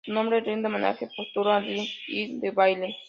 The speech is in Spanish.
Su nombre rinde homenaje póstumo a Liberty Hyde Bailey.